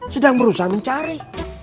sedang berusaha mencari